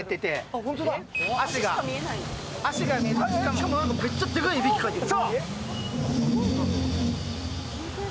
しかもめっちゃでかい、いびきかいてる。